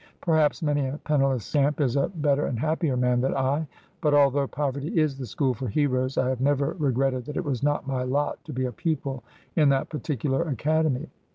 Perhaps many a penniless scamp is a better and happier man than I ; but, although poverty is the school for heroes, I have never regretted that it was not my lot to be a pupil in that particular academy.